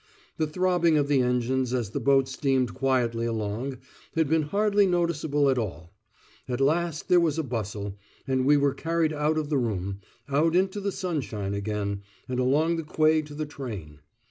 The throbbing of the engines as the boat steamed quietly along had been hardly noticeable at all. At last there was a bustle, and we were carried out of the room, out into the sunshine again, and along the quay to the train.